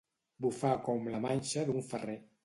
Bufar com la manxa d'un ferrer.